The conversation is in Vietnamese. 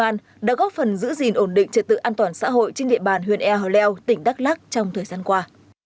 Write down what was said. lực lượng công an đã góp phần giữ gìn ổn định trật tự an toàn xã hội trên địa bàn huyện ea huy lèo tỉnh đắk lắc trong thời gian qua